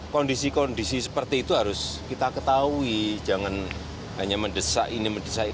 kondisi kondisi seperti itu harus kita ketahui jangan hanya mendesak ini mendesak